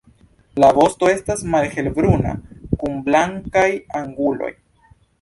La vosto estas malhelbruna kun blankaj anguloj.